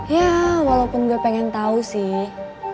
ya walaupun gue pengen tahu sih